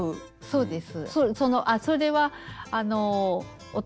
そうです。